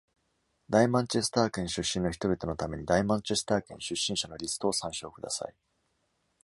大マンチェスター圏出身の人々のために、大マンチェスター圏出身者のリストを参照ください。